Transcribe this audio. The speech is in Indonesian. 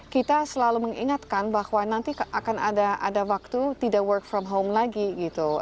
kita selalu mengingatkan bahwa nanti akan ada waktu tidak work from home lagi gitu